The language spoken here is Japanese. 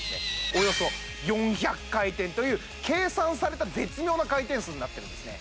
およそ４００回転という計算された絶妙な回転数になってるんですね